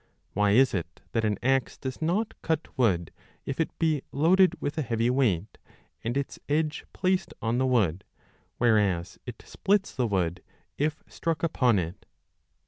Why is it that an axe does not cut wood if it be loaded with a heavy weight and its edge placed on the wood, whereas it splits the wood if struck upon it